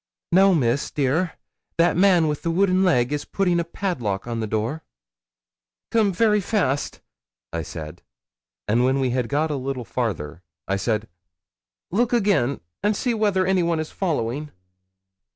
'No, Miss, dear. That man with the wooden leg is putting a padlock on the door.' 'Come very fast,' I said; and when we had got a little farther, I said, 'Look again, and see whether anyone is following.'